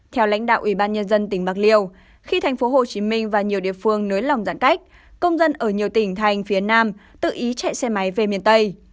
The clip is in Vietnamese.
theo lãnh đạo ủy ban nhân dân tỉnh bạc liêu khi thành phố hồ chí minh và nhiều địa phương nới lòng giãn cách công dân ở nhiều tỉnh thành phía nam tự ý chạy xe máy về miền tây